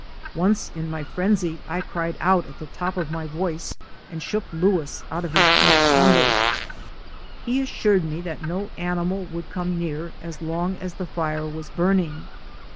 Once in my frenzy I cried out at the top of my voice and shook Louis out of his deep slumber. He assured me that no animal would come near as long as the fire was burning.